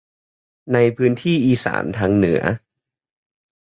ในพื้นที่อิสานเหนือ